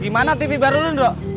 gimana tv baru lu ndrok